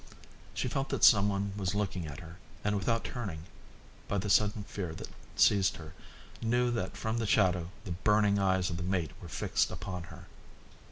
She felt that someone was looking at her, and without turning, by the sudden fear that seized her, knew that from the shadow the burning eyes of the mate were fixed upon her.